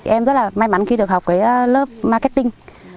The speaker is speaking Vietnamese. em rất là may mắn khi được học cái lớp marketing